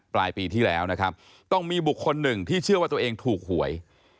ปลายปีที่แล้วนะครับต้องมีบุคคลหนึ่งที่เชื่อว่าตัวเองถูกหวย